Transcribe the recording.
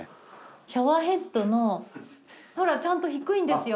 シャワーヘッドのほらちゃんと低いんですよ。